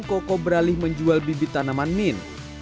koko beralih menjual bibit tanaman min